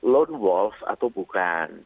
lone wolf atau bukan